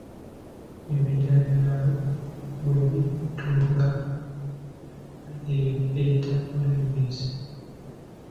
Ebijanjaalo bwe bittulula bireebeeta buleebeesi.